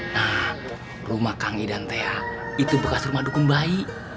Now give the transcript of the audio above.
nah rumah kang i dan thea itu bekas rumah dukun bayi